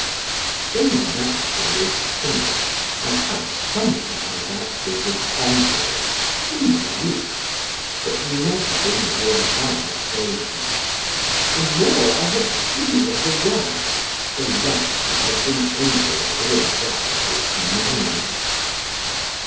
Though naturally timid, I have sometimes acted with confidence in my youth, but never in my advanced age: the more I have seen of the world the less I have been able to adapt its manners.